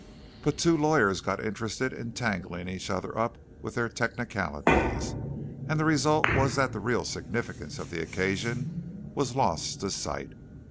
But two lawyers got interested in tangling each other up with their technicalities, and the result was that the real significance of the occasion was lost to sight.